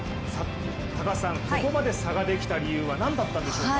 高橋さん、ここまで差ができた理由は何だったんでしょうか。